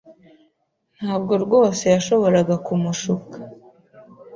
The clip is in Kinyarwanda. Ntabwo rwose yashoboraga kumushuka